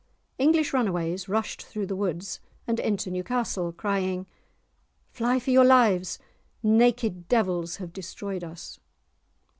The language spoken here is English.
English runaways rushed through the woods and into Newcastle, crying, "Fly for your lives, naked devils have destroyed us!"